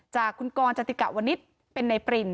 จากคุณกรจติกะวนิษฐ์เป็นในปริน